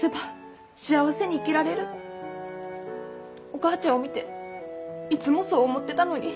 お母ちゃんを見ていつもそう思ってたのに。